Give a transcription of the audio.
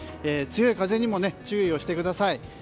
強い風にも注意をしてください。